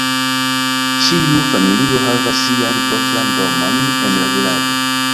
Ĉiu familio havas sian propran domon en la vilaĝo.